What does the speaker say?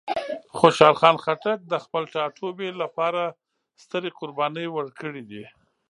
خوشحال خان خټک د خپل ټاټوبي لپاره سترې قربانۍ ورکړې دي.